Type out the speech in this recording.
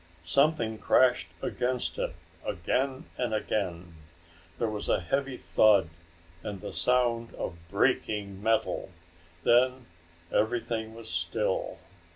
Something crashed against it again and again. There was a heavy thud and the sound of breaking metal. Then everything was still.